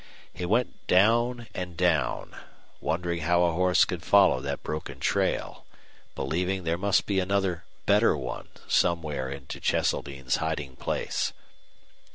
He went down and down, wondering how a horse could follow that broken trail, believing there must be another better one somewhere into Cheseldine's hiding place.